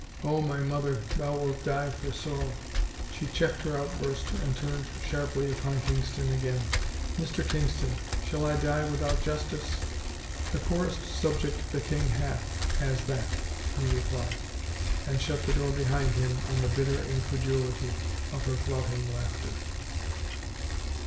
. Oh, my mother, thou wilt die for sorrow !" She checked her outburst and turned sharply upon Kingston again. " Mr. Kingston, shall I die without justice? "" The poorest subject the king hath has that," he re plied, and shut the door behind him on the bitter in credulity of her flouting laughter.